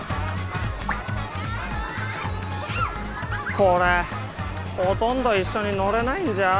これほとんど一緒に乗れないんじゃ？